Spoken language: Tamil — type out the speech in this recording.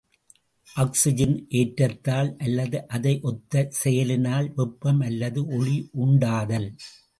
ஆக்சிஜன் ஏற்றத்தால் அல்லது அதை ஒத்த செயலினால் வெப்பம் அல்லது ஒளி உண்டாதல்.